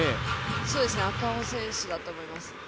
そうですね、赤穂選手だと思います。